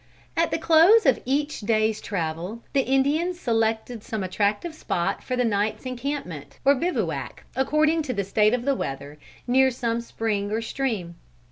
At the close of each day's travel the Indians selected some attractive spot for the night's encampment or bivouac, according to the state of the weather, near some spring or stream.